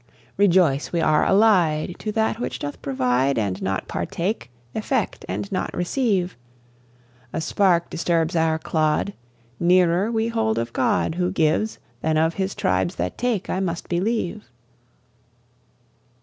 Rejoice we are allied To That which doth provide And not partake, effect and not receive! A spark disturbs our clod; Nearer we hold of God Who gives, than of His tribes that take, I must believe.